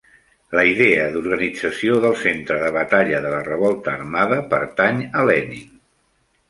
La idea d'organització del centre de batalla de la revolta armada pertany a Lenin.